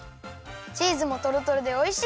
チーズもとろとろでおいしい！